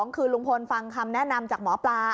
คือลุงพลฟังคำแนะนำจากหมอปลา